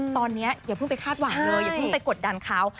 ตอนนี้อย่าเพิ่งไปคาดหวังเลยอย่าเพิ่งไปกดดันเขา